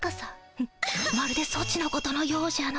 フッまるでソチのことのようじゃの。